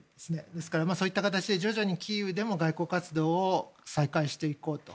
ですから、そういった形で徐々にキーウでも外交活動を再開していこうと。